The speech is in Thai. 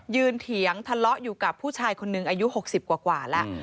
เถียงทะเลาะอยู่กับผู้ชายคนหนึ่งอายุ๖๐กว่าแล้ว